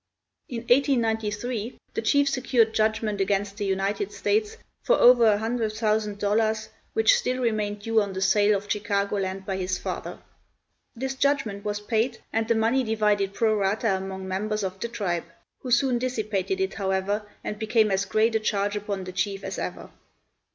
In 1893 the chief secured judgment against the United States for over $100,000, which still remained due on the sale of Chicago land by his father. This judgment was paid and the money divided pro rata among members of the tribe, who soon dissipated it, however, and became as great a charge upon the chief as ever.